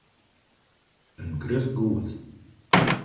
In grut goed.